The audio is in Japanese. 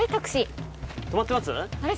止まってます？